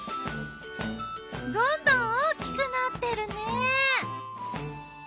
どんどん大きくなってるね。